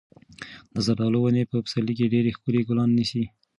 د زردالو ونې په پسرلي کې ډېر ښکلي ګلان نیسي.